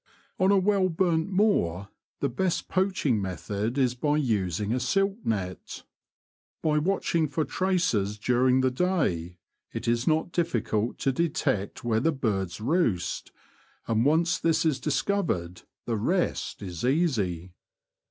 On a well burnt moor the best poaching method is by using a silk net. By watching for traces during the day it is not difficult to detect 1 1 6 The Confessions of a Poacher. where the birds roost, and once this is dis covered the rest is easy.